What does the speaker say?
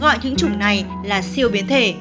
gọi những chủng này là siêu biến thể